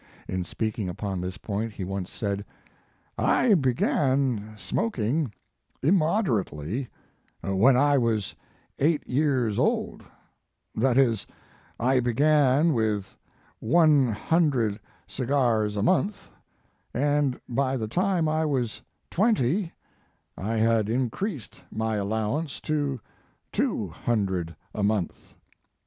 In speaking upon this point, he once said: "I began smoking immoderately when I was eight years old; that is, I began with one hun dred cigars a month, and by the time I was twenty I had increased my allow ance to two hundred a month.